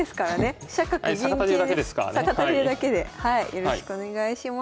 よろしくお願いします。